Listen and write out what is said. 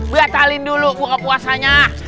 beratahlin dulu buka puasanya